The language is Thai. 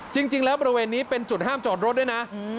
จริงแล้วบริเวณนี้เป็นจุดห้ามจอดรถด้วยนะ